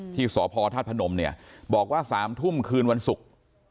ที่สพธาตุพนมเนี่ยบอกว่า๓ทุ่มคืนวันศุกร์